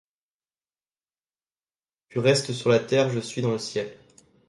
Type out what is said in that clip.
Tu restes sur la terre, je suis dans le ciel !